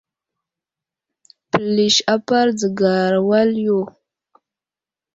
Pəlis apar dzəgar wal yo.